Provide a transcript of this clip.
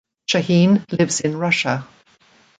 Shaheen lives in Russia.